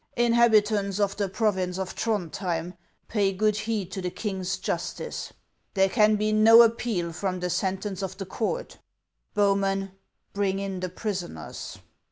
Inhabitants of the province of Throndhjem, pay good heed to the king's justice; there can be no appeal from the sentence of the court. Bowmen, bring in the prisoners."